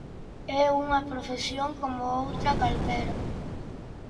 É unha profesión como outra calquera.